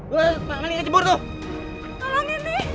tolong ini paling kecebur pak